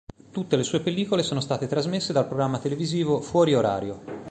Tutte le sue pellicole sono state trasmesse dal programma televisivo "Fuori orario.